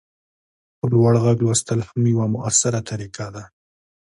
په لوړ غږ لوستل هم یوه مؤثره طریقه ده.